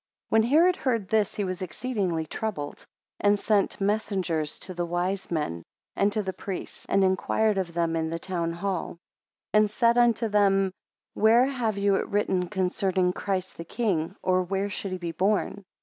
3 When Herod heard this, he was exceedingly troubled, and sent messengers to the wise men, and to the priests, and enquired of them in the town hall, 4 And said unto them, Where have you it written concerning Christ the king, or where should he be born?